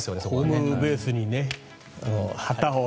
ホームベースに旗を。